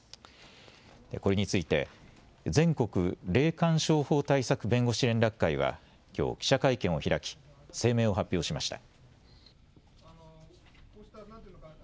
これについて全国霊感商法対策弁護士連絡会はきょう記者会見を開き声明を発表しました。